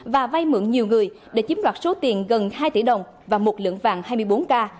và vay mượn nhiều người để chiếm đoạt số tiền gần hai tỷ đồng và một lượng vàng hai mươi bốn k